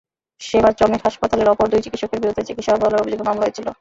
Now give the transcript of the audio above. সেবার চমেক হাসপাতালের অপর দুই চিকিৎসকের বিরুদ্ধে চিকিৎসায় অবহেলার অভিযোগে মামলা হয়েছিল।